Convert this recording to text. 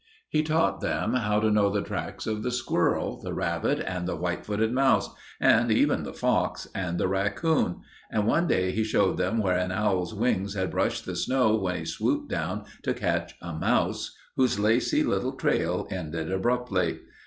He taught them to know the tracks of the squirrel, the rabbit, and the white footed mouse, and even the fox and the raccoon, and one day he showed them where an owl's wings had brushed the snow when he swooped down to catch a mouse whose lacy little trail ended abruptly.